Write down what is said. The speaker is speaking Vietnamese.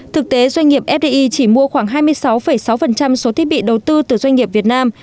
thực tế doanh nghiệp fdi chỉ mua khoảng hai mươi sáu sáu số thiết bị đầu tư từ doanh nghiệp việt nam